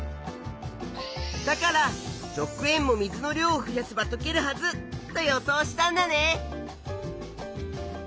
だから食塩も水の量を増やせばとけるはずと予想したんだね。